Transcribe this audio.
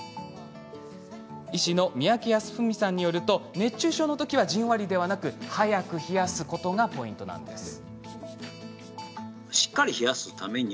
医師の三宅康史さんによると熱中症のときはじんわりではなく、早く冷やすのがポイントなんです。